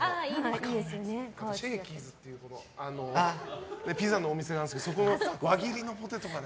シェーキーズっていうピザのお店があるんですけどそこの輪切りのポテトがね。